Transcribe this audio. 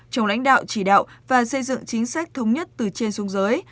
trong lãnh đạo chỉ đạo và xây dựng chính sách thống nhất từ trên xuống dưới